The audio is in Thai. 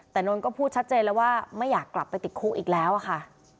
แต่นนท์ก็พูดชัดเจนแล้วว่าไม่อยากกลับไปติดคุกอีกแล้วอะค่ะ